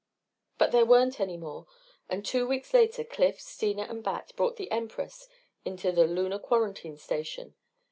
But there weren't any more and two weeks later Cliff, Steena and Bat brought the Empress into the Lunar quarantine station.